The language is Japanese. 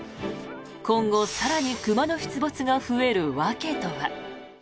今後、更に熊の出没が増える訳とは。